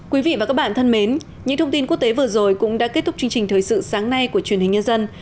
quý vị và các bạn thân mến những thông tin quốc tế vừa rồi cũng đã kết thúc chương trình thời sự sáng nay của truyền hình nhân dân